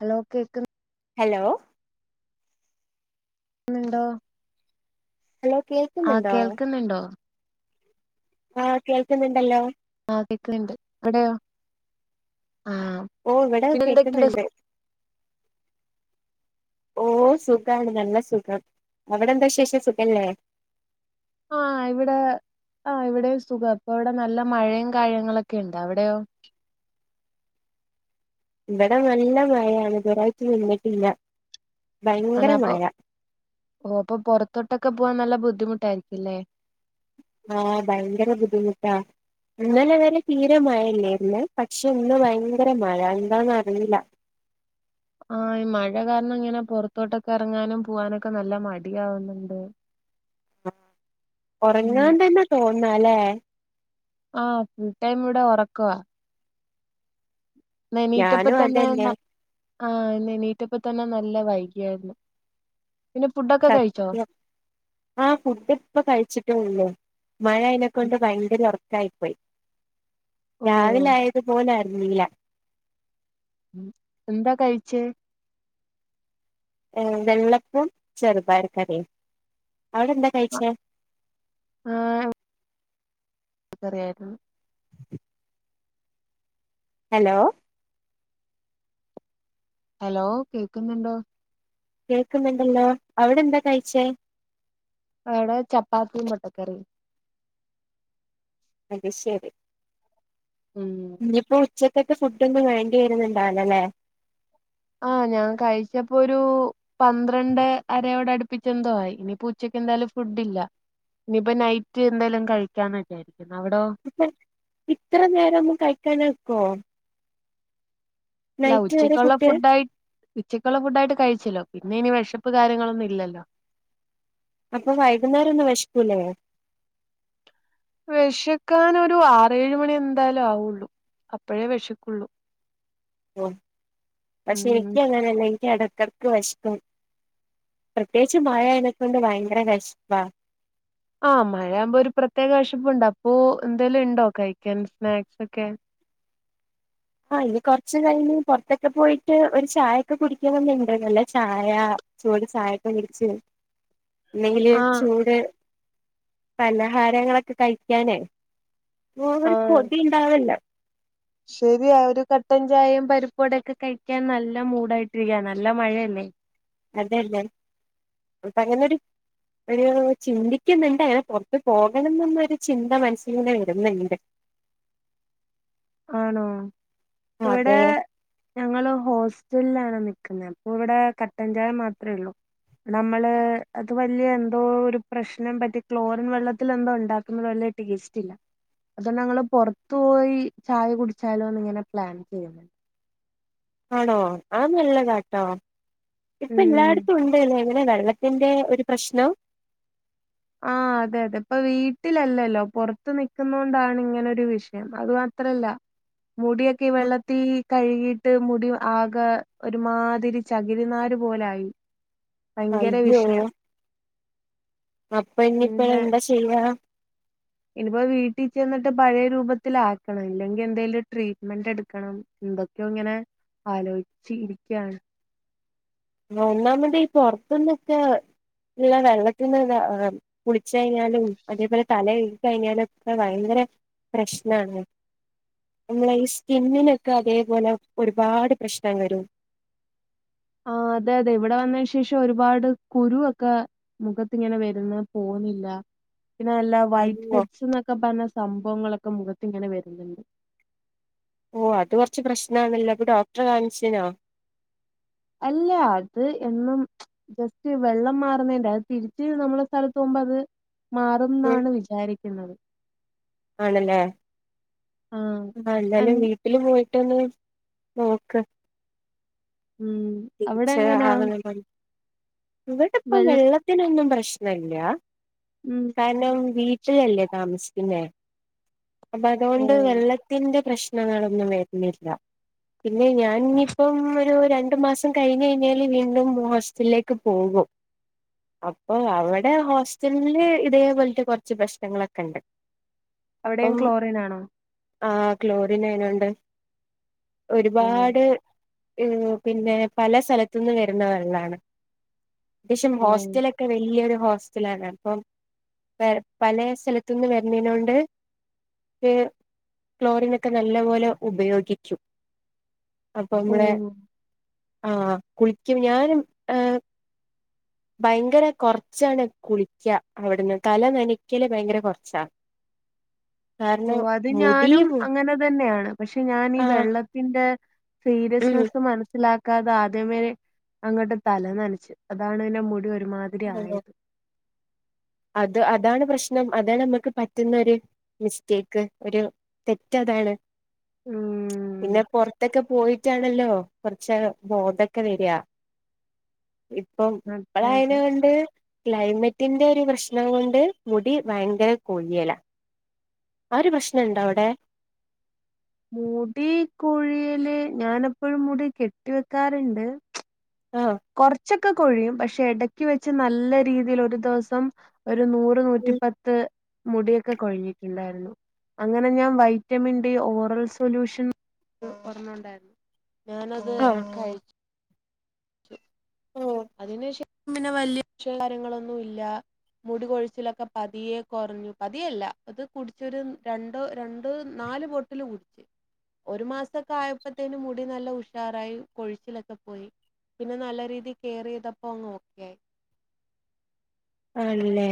Hello കേക്ക്ന്ന hello ക്ക്ന്ന്ണ്ടോ? Hello കേൾക്കുന്നുണ്ടോ? കേൾക്കുന്നുണ്ടോ ആഹ് കേൾക്കന്നണ്ടല്ലോ ആഹ് കേക്ക്ണ്ട് ഇവിടെയോ ആഹ് ഓ ഇവിടെ പിന്നെ എന്തൊക്കെയുണ്ട് കേക്ക്ന്ന്ണ്ട് ഓ സുഖാണ് നല്ല സുഖം അവിടെ എന്താശേഷം സുഖല്ലേ? ആഹ് ഇവിടെ ആഹ് ഇവിടെയും സുഖം അപ്പൊ ഇവിടെ നല്ല മഴയും കാര്യങ്ങളൊക്കെ ഇണ്ട്. അവിടെയോ? ഇവിടെ നല്ല മഴയാണ് ഇതുവരയിട്ട് നിന്നിട്ടില്ല ആണ ഭയങ്കര അപ്പൊ മഴ ഓ അപ്പൊ പുറത്തോട്ടൊക്കെ പോവാൻ നല്ല ബുദ്ധിമുട്ടായിരിക്കില്ലേ? അഹ് ഭയങ്കര ബുദ്ധിമുട്ടാ ഇന്നലെ വരെ തീരെ മഴയില്ലായിരുന്നെ പക്ഷെ ഇന്ന് ഭയങ്കര മഴ എന്താണ് അറിയില്ല അഹ് ഈ മഴ കാരണം ഇങ്ങനെ പൊറത്തോട്ടൊക്കെ എറങ്ങാനും പോവാനൊക്കെ നല്ല മടിയവുന്നുണ്ട്. ഉം ഒറങ്ങാണ്ടെന്ന തോന്നാലേ അഹ് ഫുൾ ടൈം ഇവിടെ ഉറക്കവാ ഏണിറ്റപ്പ ഞാനും തന്നെ അതന്നെ ആ ഏണിറ്റപ്പ തന്നെ നല്ല വൈകിയായിരുന്നു പിന്നെ ഫൂഡ സത്യം അഹ് ഫുഡ് ഇപ്പ കഴിച്ചിട്ട ഉള്ളു മഴ അയിനക്കൊണ്ട് ഭയങ്കര ഒറക്കായി പോയി രാവിലെ ഓഹ് ആയതു പോലെ നീല എന്താ കഴിച്ചേ? ഏ വെള്ളപ്പം ചെറുപയർ കറിയും അവിടെ എന്താ കഴിച്ചെ? അഹ് എന്തുപറയാനാ ഹലോ ഹലോ കേൾക്കുന്നുണ്ടോ? കേൾക്കുന്നുണ്ടല്ലോ അവിടെ എന്താ കഴിച്ചേ? ഇവിടെ ചപ്പാത്തി മുട്ടക്കറി അത് ശരി ഉം ഇനിയിപ്പോ ഉച്ചക്കത്തൊ ഫുഡ് ഒന്നും വേണ്ടി വരുന്നുണ്ടാവലല്ലേ അഹ് ഞാൻ കഴിച്ചപ്പോരു പന്ത്രണ്ട് അരയോടെ അടുപ്പിച്ചെന്തോ ആയി ഇനി ഉച്ചക്ക് എന്തായാലും ഫുഡ് ഇല്ല. ഇനിയിപ്പ നൈറ്റ് എന്തെലും കഴിക്കാന്ന വിജരിക്കുന്നു അവിടോ? ഇത്ര നേരം ഒന്നു കഴിക്കാണ്ട് നിക്കോ അല്ല വരെ ഉച്ചയ്ക്കുള്ള ഫുഡ് ഫുഡ്ഡായി ഉച്ചയ്ക്കുള്ള ഫുഡ്ഡായിട്ട് കഴിച്ചല്ലോ പിന്നെ എനി വിഷപ്പ് കാര്യങ്ങളൊന്നു ഇല്ലല്ലോ അപ്പൊ വൈകുന്നേരം ഒന്നും വെശക്കുലെ വെശക്കാൻ ഒരു ആറേഴ് മണി എന്തായാലും ആവുള്ളൂ അപ്പോഴേ വെശക്കുള്ളൂ. ഓ പക്ഷെ ഉം എനിക്ക് അങ്ങനെല്ല എനിക്ക് എടക്കടക്ക് വെശക്കും. പ്രത്യേകിച്ച് മഴ ആയതുക്കൊണ്ട് ഭയങ്കര വിശപ്പ ആഹ് മഴയാവുമ്പോ ഒരു പ്രത്യേക വിഷപ്പുണ്ട അപ്പൊ എന്തേലും ഉണ്ടോ കഴിക്കാൻ സ്നാക്സ് ഒക്കെ അഹ് ഇനി കൊറച്ചു കഴിഞ്ഞ് പുറത്തൊക്കെ പോയിട്ട് ഒരു ചായൊക്കെ കുടിക്കണന്ന് ഇണ്ട് നല്ല ചായ. ചൂട് ചായക്ക കുടിച്ചു അല്ലെങ്കില് ആഹ് ചൂട് പലഹാരങ്ങളൊക്കെ കഴിക്കാൻ ഒരു കൊതി ഉണ്ടാവല്ലോ ശരിയ ഒരു കട്ടൻ ചായയും പരിപ്പുവടക്കെ കഴിക്കാൻ നല്ല മൂടായിട്ടിരിക്ക നല്ല മഴയല്ലേ അതന്നെ അപ്പങ്ങനൊരു ഒരു ചിന്തിക്കുന്ന്ണ്ടങ്ങനെ പൊർത്ത് പോകണന്ന്ന്നൊരു ചിന്ത മനസ്സിലിങ്ങനെ വരുന്നുണ്ട് ആണോ അതെ ഇവടെ ഞങ്ങള് ഹോസ്റ്റൽലാണ് നിക്കുന്നെ അപ്പൊ ഇവിടെ കട്ടൻ ചായ മാത്ര ഉള്ളൂ നമ്മള് അത് വല്യ എന്തോ ഒരു പ്രശ്നം പറ്റി ക്ലോറിൻ വെള്ളത്തിലെന്തോ ഉണ്ടാക്കുന്നത് പോലെ ടേസ്റ്റില അതുകൊണ്ടങ്ങൾ പൊർത്തു പോയി ചായ കുടിച്ചാലോന്ന്ങ്ങനെ പ്ലാൻ ചെയ്യുന്ന് ആണോ അത് നല്ലതാട്ടോ. ഉം ഇപ്പല്ലായിടത്തും ഉണ്ടല്ലേ വെള്ളത്തിന്റെ ഒരു പ്രശ്നം ആഹ് അതെ അതെ ഇപ്പൊ വീട്ടിലല്ലല്ലോ. പൊറത്ത് നിക്കുന്നോണ്ടാണ് ഇങ്ങനൊരു വിഷയം. അതു മാത്രല്ല മുടിയൊക്കെ വെള്ളത്തി കഴുകി ട്ട് മുടി ആക ഒരുമാതിരി ചകിരിനാര് പോലായി ഭയങ്കര അയ്യോ വിഷയം അപ്പന്നിപ്പ പിന്നെ എന്താ ചെയ്യാ ഇനിപ്പോ വീട്ടി ചെന്നിട്ട് പഴേ രൂപത്തിലാക്കണം. ഇല്ലെങ്കി എന്തേലും ട്രീറ്റ്മെന്റ് എടുക്കണം എന്തൊക്ക്യോങ്ങനെ ആലോയ്ച് ഇരിക്ക്യാണ് ഒന്നാമതീ പൊർത്ത്ന്നൊക്കെള്ള വെള്ളത്തിന്നന്നെ കുളിച്ചഴിഞ്ഞാലും അതേപോലെ തല കയ്കി കഴിഞ്ഞാലൊക്കെ ഭയങ്കര പ്രശ്നാണ് നമ്മള ഈ സ്കിന്നിനൊക്കതേപോലെ ഒരുപാട് പ്രശ്നം വരും ആഹ് അതെ അതെ, ഇവടെ വന്നേയ് ശേഷം ഒരുപാട് കുരുവൊക്ക മുഖത്തിങ്ങനെ വരുന്ന് പോവുന്നില്ല പിന്നെ അല്ല വൈറ്റ് അയ്യോ ഹെഡ്സ്ന്നൊക്കെ പർഞ്ഞ സംഭവങ്ങളൊക്കെ മുഖത്തിങ്ങനെ വര്ന്ന്ണ്ട് ഓഹ്‌ അത് കൊർച്ച് പ്രശ്നാന്നല്ലോ അപ്പൊ ഡോക്ടറെ കാണിചീനോ അല്ല അത് എന്നും ജസ്റ്റ് വെള്ളം മാറുന്നേന്റ, അത് തിരിച്ച് നമ്മളെ സ്ഥലത്ത് പോകുമ്പോ അത് മാറുംന്നാണ് വിചാരിക്കുന്നത് ആണ്ല്ലേ ആഹ് ആഹ്‌ അൻ എന്താലും വീ ട്ടില് പോയിട്ടൊന്ന് നോക്ക് ഉം അവിടെ തിരിച്ച എങ്ങനാ ആവണപ്പം വെൾ ഇവടെപ്പംവെള്ളത്തിനൊന്നും പ്രശ്നല്ല ഉം കാര്നം വീട്ടിലല്ലേ താമസിക്കുന്നെ അപ്പ ഓ അതോണ്ട് വെള്ളത്തിന്റെ പ്രശ് നങ്ങളൊന്നും വര്ന്നില്ല. പിന്നെ ഞാനിഞ്ഞിപ്പം ഒരു രണ്ട് മാസ് സം കഴിഞഴിഞ്ഞാൽ വീണ്ടും ഹോസ്റ്റലിലേക്ക് പോകും അപ്പൊ അവടെ ഹോസ്റ്റൽ ല് ഇതേ പോൽത്തെ കൊർച്ച് പ്രശ്നങ്ങളൊക്കണ്ട് [inaudible] അവിടെയും ക്ലോറിനാണോ ആഹ്‌ ക്ലോറിനയിനൊണ്ട് ഓഹ് ഒരുപാട് എഹ്‌ പിന്നെ പല സ്ഥലത്ത്ന്ന് വരുന്ന വെള്ളാണ്. ത്യാവിശ്യം ഹോസ്റ്റലെ ക്കെ വല്യൊരു ഹോസ്റ്റലാണ്. അപ്പം പ പലേ സ്ഥലത്ത്ന്ന് വര്നേനോണ്ട് കെ ക്ലോറിനൊക്കെ നല്ല പോലെ ഉപയോഗിക്കും. അപ്പമ്മളെ ഓഹ് ആഹ് കുൾക്യും ഞാനും ഏഹ് ഭയങ്കര കൊർച്ചാണ് കുൾക്യ, അവട്ന്ന് തല നനക്കല് ഭയങ്കര കൊർച്ചാ [inaudible] ഓഹ്‌ അത് മുടി ഞാനും അങ്ങനെ തന്നെയാണ് പക്ഷെ ഞാനീ ആ വെള്ളത്തിന്റെ സീരിയസ്നെസ്സ് മനസ്സിലാ ക്കാതെ ആദ്യമേ അങ്ങോട്ട് തല നനച്ച്. അതാണ് പിന്നെ മുടി ഒരുമാതിരി ഉം ആയത് അത് അതാണ് പ്രശ്നം അതാണമ്മക്ക് പറ്റുന്നൊര് മിസ്റ്റേക്ക് ഒരു തെറ്റതാണ് പിന്നെ ഉം പൊർത്തെക്കെ പോയി റ്റാണല്ലോ കൊർചാ ബോധൊക്കെ വെരാ ഇപ്പം അതെ അതെ ഇപ്പളായാലുണ്ട് ക്ലൈമറ്റിന്റെ ഒരു പ്രശ് ണം കൊണ്ട് മുടി ഭയങ്കര കൊഴിയല ആ ഒരു പ്രശ്നണ്ടോ അവ്ടെ മുടി കൊഴിയല് ഞാനെപ്പഴും മുടി കെട്ടി വെക്കാറ്ണ്ട് ആഹ് കൊർച്ചൊക്കെ കൊഴിയും പക്ഷെ എടക്ക് വെച്ച് നല്ല രീതീയിൽ ഒരു ദെവസം ഒരു നൂറ് നൂറ്റി ഉം പത്ത് മുടിയൊക്കെ കൊഴിഞ്ഞിട്ട്ണ്ടായിരുന്നു അങ്ങനെ ഞാൻ വൈറ്റമിൻ ഡി ഓറൽ സൊല്യൂഷൻ കൊർഞ്ണ്ടായിരുന്നു ഞാനത് ആഹ് കഴി ശ [inaudible] ഓ അതിനേഷം പിന്നെ വല്യ വിഷയം കാര്യങ്ങളൊന്നുംല്ല മുടി കൊഴിച്ചിലൊക്കെ പതിയെ കൊറഞ്ഞു പതിയെല്ല അത് കുടിചൊരു രണ്ടോ രണ്ട് നാല് ബോട്ട് [unintelligible] ഒരു മാസൊക്കെ ആയപ്പോത്തേും മുടി നല്ല ഉഷാറായി കൊഴിച്ചിലൊക്കെ പോയി പിന്നെ നല്ല രീതിൽ കെയർ യ്തപ്പോ അങ്ങ് ഓക്കെ ആയി. ആണല്ലേ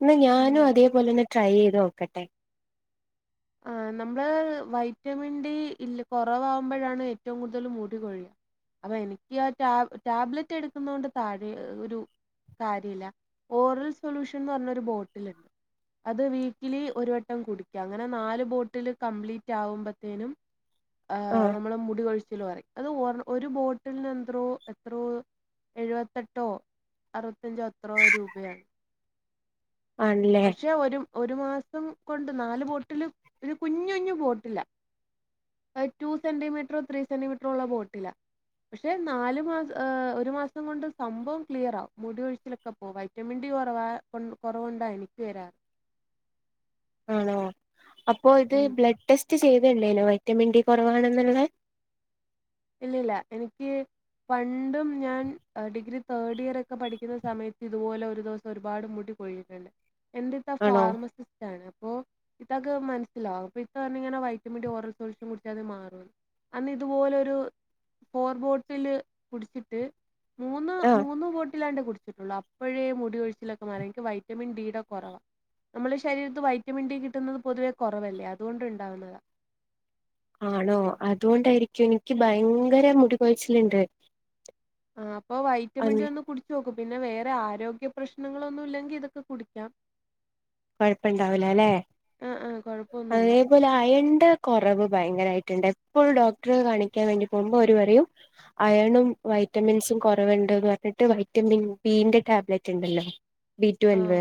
എന്നാ ഉം ഞാനും അതേപോലെ തന്നെ ട്രൈയ്ത് നോക്കട്ടെ ആഹ് നമ്മള് വൈറ്റമിൻ ഡി ഇല്ല കുറവാകുമ്പോഴാണ് ഏറ്റവും കൂടുതൽ മൂടികൊഴിയ അപ്പൊ എനിക്ക് ആഹ് ടാബ് ടാബ്ലറ്റ് എടുക്കുന്ന കൊണ്ട് താഴെ ഒരു കാര്യല്ല ഓറൽ സൊല്യൂഷൻ എന്ന് പറഞ്ഞ ഒരു ബോട്ടിൽ ഉണ്ട് അത് വീക്കിലി ഒരു വട്ടം കുടിക്കാം അങ്ങനെ നാല് ബോട്ടിൽ കംപ്ലീറ്റ് ആകുമ്പോത്തേനും ആഹ് നമ്മള് മുടികൊഴിച്ചിൽ കുറയും അത് ഒ ഒരു ബോട്ടിൽന് എന്ത്രോ എത്രയോ എഴുപത്തെട്ടോ അറുപത്തഞ്ചോ അത്രയോ രൂപയാണ് ആണല്ലേ പക്ഷെ ഒരു ഒരു മാസം കൊണ്ട് നാല് ബോട്ടില് ഒരു കുഞ്ഞു കുഞ്ഞു ബോട്ടിലാ ടു സെന്റിമീറ്ററോ ത്രീ സെന്റിമീറ്ററോ ഉള്ള ബോട്ടിലാ പക്ഷെ നാല് മാസ ഒരു മാസം കൊണ്ട് സംഭവം ക്ലിയർ ആവും മുടി കൊഴിച്ചിലൊക്കെ പോവാ വിറ്റമിൻ ഡി കുറവാ കൊണ്ട കുറവു കൊണ്ടാ എനിക്ക് വരാറ് ആണോ അപ്പോ ഇത് ഉം. ബ്ലഡ് ടെസ്റ്റ് ചെയ്തിരുന്നേനോവൈറ്റമിൻ ഡി കുറവാണെന്നുള്ള ഇല്ല ഇല്ല എനിക്ക് പണ്ടും ഞാൻ ഡിഗ്രി തേർഡ് ഇയർ ഒക്കെ പഠിക്കുന്ന സമയത്ത് ഇതുപോലെ ഒരു ദിവസം ഒരുപാട് മുടി പെഴിയുന്നുണ്ട് എൻ്റെ ഇത്ത ആണോ ഫാർമസിസ്റ്റ് ത്തണ് അപ്പോ ഇത്താക്ക് മനസ്സിലാവും അപ്പൊ ഇത്ത പറഞ്ഞിങ്ങനെ വൈറ്റമിന്റെ ഓറൽ സൊല്യൂഷൻ കുടിച്ച അത് മാറുന്ന് അന്ന് ഇതുപോലെരു ഫോർബോട്ടിൽ കുടിച്ചിട്ട് മൂന്ന് ആഹ് മൂന്ന് മ്പോട്ടില്ലാണ്ടേ കുടിച്ചിട്ടുള്ളു അപ്പോഴേ മുടിയൊഴിച്ചിലൊക്കെ മാറി എനിക്ക് വൈറ്റമിൻ ഡിയുടെ കുറവാ നമ്മുടെ ശരീരത്ത് വൈറ്റമിൻ ഡി കിട്ടുന്നത് പൊതുവെ കുറവല്ലേ അതുകൊണ്ട് ഉണ്ടാവുന്നതാ ആണോ അതുകൊണ്ടായിരിക്കും എനിക്ക് ഭയങ്കര മുടി കൊഴിച്ചില്ണ്ട് ആഹ് അപ്പോ വൈറ്റമിൻ ഡി ഒന്ന് കുടി കുടിച്ച് നോക്ക് പിന്നെ വേറെ ആരോഗ്യ പ്രശ്നങ്ങളൊന്നും ഇല്ലെങ്കി ഇതൊക്കെ കുടിക്കാം കുഴപ്പോണ്ടാവൂലല്ലെ ആ ആ അത് കുഴപ്പമൊന്നുമില്ല അതുപോലെ അയന്റെ കുറവ് ഭയങ്കരായിട്ടുണ്ട് എപ്പോഴും ഡോക്ടർ കാണിക്കാൻ വേണ്ടി പോവുമ്പോ ഓര് പറയും അയണും വൈറ്റമിൻസും കുറവുണ്ട്ന്ന് പറഞ്ഞിട്ട് വൈറ്റമിൻ ബിന്റെ ടാബ്ലറ്റ് ഉണ്ടല്ലോ ബി ആ ട്വൽവ്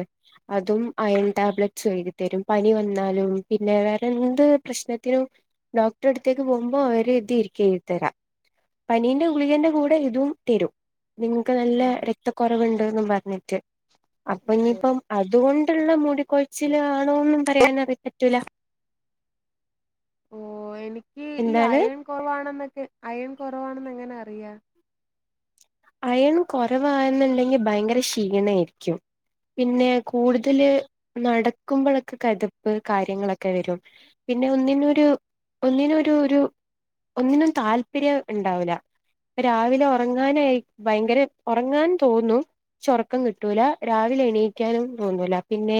അതും അയൺ ടാബ്ലറ്റ്സ് എഴുതി തരും പനി വന്നാലും പിന്നെ വേറെ എന്ത് പ്രശ്നത്തിനും ഡോക്ടറെ അടുത്തേക്ക് പോകുമ്പോൾഅവര് ഇത് ആയിരിക്കും എഴുതി തരാ പനീന്റെ ഗുളികന്റെ കൂടെ ഇതും തരും നിങ്ങക്ക് നല്ല ആ രക്തക്കുറവുണ്ട്ന്ന് പറഞ്ഞിട്ട് അപ്പൊ ഇനിയിപ്പം അതുകൊണ്ടുള്ള മുടിക്കൊഴച്ചിൽ ആണോന്നും പറയാനും അറിയ പറ്റൂല ഓഹ് എനിക്ക് ഈ എന്താണ് അയൺ കുറവാണെന്നൊക്കെ അയൺ കുറവാണെന്ന് എങ്ങനെ അറിയ അയൺ കുറവാണെന്നുണ്ടെങ്കിൽ ഭയങ്കര ക്ഷീണം ആയിരിക്കും പിന്നെ കൂടുതല് നടക്കുമ്പോഴൊക്കെ കെതിപ്പ് കാര്യങ്ങളൊക്കെ വരും പിന്നെ ഒന്നിനൊരു ഒന്നിനൊരു ഒരു ഒന്നിനും താല്പര്യം ഉണ്ടാവുല്ല ഇപ്പ രാവിലെ ഉറങ്ങാനായി ഭയങ്കര ഉറങ്ങാൻ തോന്നും ച്ച് ഉറക്കം കിട്ടൂല രാവിലെ എണീക്കാനും തോന്നൂല പിന്നെ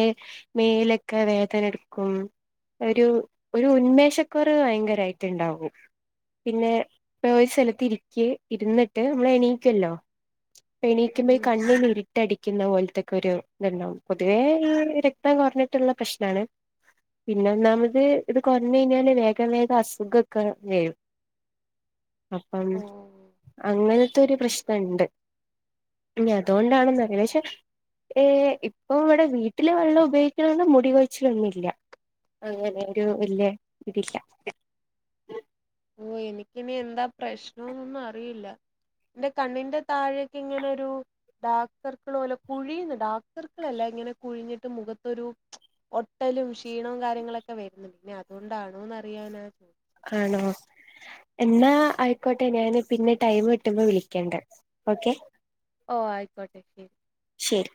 മേലൊക്കെ വേദന എടുക്കും ഒരു ഒരു ഉന്മേഷക്കുറവ് ഭയങ്കരമായിട്ട് ഉണ്ടാവും പിന്നെ ഒരു സ്ഥലത്ത് ഇരിക്ക് ഇരുന്നിട്ട് നമ്മള് എണീ ക്കല്ലോ എണീക്കുമ്പോ ഈ ഉം കണ്ണു ല് ഇട്ടടിക്കുന്ന പോലത്തൊക്കെ ഒരു ഇതുണ്ടാവും പൊതുവേ ഈ രക്തം കുറഞ്ഞിട്ടുള്ള പ്രശ്നാണ് പിന്നെ ഒന്നാമത് ഇത് കുറഞ്ഞ് കഴിഞ്ഞാല് വേഗം വേഗം അസുഖക്കെ വരും അപ്പം ഓ അങ്ങനത്തെ ഒരു പ്രശ്നണ്ട് ഇഞ്ഞി അതുകൊണ്ടാണെന്നറില പഷെ ഏഹ് ഇപ്പൊ ഇവടെ വീട്ടിലെ വെള്ളം ഉപയോഗിക്ക്ണോണ്ട് മുടി കൊഴിച്ചിലൊന്നുല്ല. അങ്ങനെരു വല്യ ഇതില്ല ഓഹ് എനിക്കിനി എന്താ പ്രശ്നംന്നൊന്നും അറിയില്ല. ഇന്റെ കണ്ണിന്റെ താഴേക്കിങ്ങനൊരു ഡാർക്ക്സർക്ക്ള് പോലെ കുഴിയുന്ന് ഡാർക്ക്സർക്ക്ളല്ല ഇങ്ങനെ കുഴിഞ്ഞിട്ട് മുഖത്തൊരു ഒട്ടലും ക്ഷീണോംകാര്യങ്ങളൊക്കെ വര്ന് പിന്നെ അതുണ്ടാണോന്നറിയാനാ ആണോ എന്നാ അയ്ക്കോട്ടെ ഞാന് പിന്നെ ടൈം കിട്ടുമ്പോ വിളിക്കണ്ട് ഓക്കെ. ഓഹ് ആയിക്കോട്ടെ ശെരി ശെരി